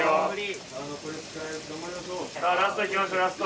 さあラストいきましょうラスト！